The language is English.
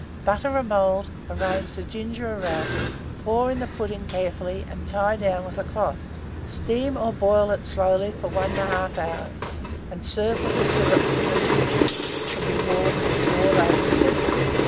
Butter a mould, arrange the ginger round it, pour in the pudding carefully, and tie it down with a cloth; steam or boil it slowly for 1 1/2 hour, and serve with the syrup from the ginger, which should be warmed, and poured over the pudding.